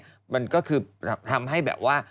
มันก็คือทำให้แบบว่า